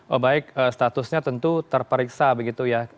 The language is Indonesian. oh baik statusnya tentu terperiksa begitu ya